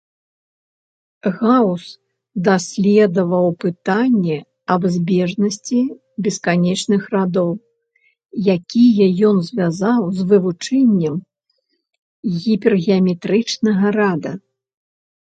Гаус даследаваў пытанне аб збежнасці бесканечных радоў, якія ён звязаў з вывучэннем гіпергеаметрычнага рада.